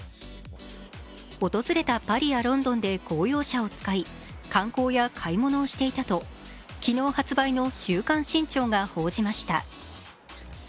訪れたパリやロンドンで公用車を使い観光や買い物をしていたと昨日発売の「週刊新潮」が報じました。